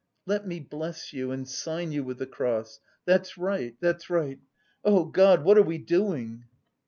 "Let me bless you and sign you with the cross. That's right, that's right. Oh, God, what are we doing?"